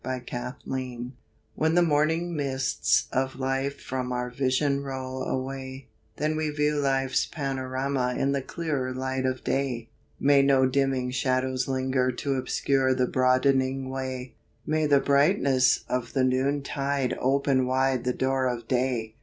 UNDERSTANDING When the morning mists of life From our vision roll away, Then we view life's panorama In the clearer light of day. May no dimming shadows linger To obscure the broadening way, May the brightness of the noontide Open wide the door of day.